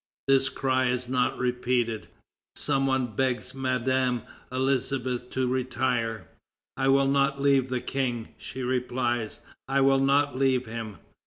This cry is not repeated. Some one begs Madame Elisabeth to retire. "I will not leave the King," she replies, "I will not leave him."